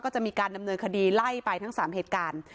ก็จะมีการดำเนินคดีไล่ไปทั้ง๓เหตุการณ์